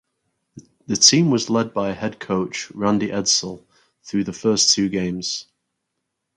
The team was led by head coach Randy Edsall through the first two games.